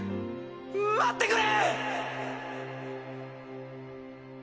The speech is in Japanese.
待ってくれ！